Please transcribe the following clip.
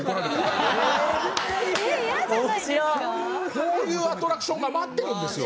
こういうアトラクションが待ってるんですよ。